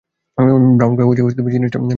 Brown কাগজে জিনিসটা মোড়া ছিল।